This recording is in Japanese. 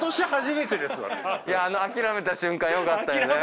あの諦めた瞬間良かったよね。